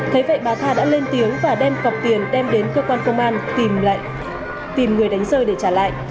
thấy vậy bà thạch thị tha đã lên tiếng và đem cọc tiền đem đến cơ quan công an tìm người đánh rơi để trả lại